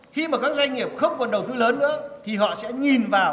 khi mà các doanh nghiệp không còn đầu tư lớn nữa thì họ sẽ nhìn vào